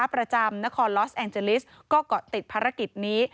ประจำนครลอสแองเจลิสก็เกาะติดภารกิจนี้